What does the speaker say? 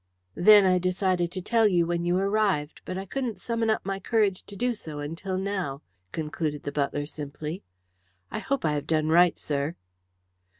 Then I decided to tell you when you arrived, but I couldn't summon up my courage to do so until now," concluded the butler simply. "I hope I have done right, sir."